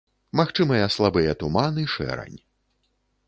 Магчымыя слабы туман і шэрань.